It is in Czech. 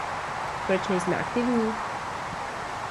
Proč nejsme aktivní?